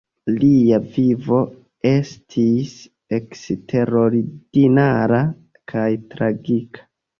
Lia vivo estis eksterordinara kaj tragika.